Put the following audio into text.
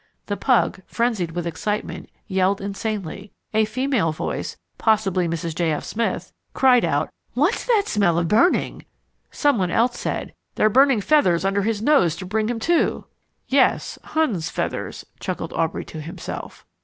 The pug, frenzied with excitement, yelled insanely. A female voice possibly Mrs. J. F. Smith cried out "What's that smell of burning?" Someone else said, "They're burning feathers under his nose to bring him to." "Yes, Hun's feathers," chuckled Aubrey to himself.